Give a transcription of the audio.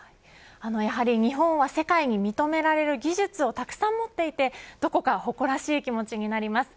やはり日本は世界に認められる技術をたくさん持っていてどこか誇らしい気持ちになります。